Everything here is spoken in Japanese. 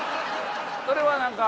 それは何か。